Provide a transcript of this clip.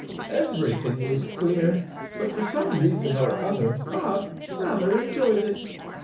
Everything was queer, but for some reason or other Bob rather enjoyed it.